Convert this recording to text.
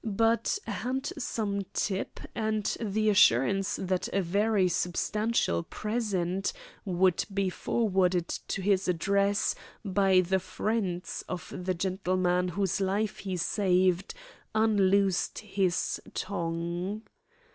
But a handsome tip and the assurance that a very substantial present would be forwarded to his address by the friends of the gentleman whose life he saved unloosed his tongue.